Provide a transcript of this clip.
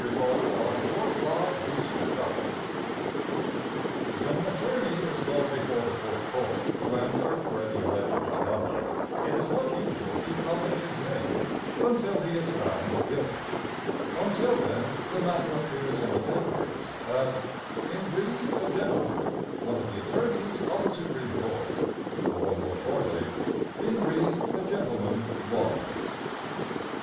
"In Re a Gentleman, One" When an attorney is called before the Full Court to answer for any alleged misconduct it is not usual to publish his name until he is found guilty; until then the matter appears in the papers as "In re a Gentleman, One of the Attorneys of the Supreme Court", or, more shortly, "In re a Gentleman, One".